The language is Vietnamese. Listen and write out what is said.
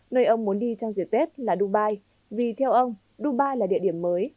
nơi ông muốn đi trong dịp tết là dubai vì theo ông dubai là địa điểm mới